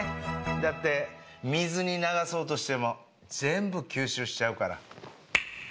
だって水に流そうとしても全部吸収しちゃうから。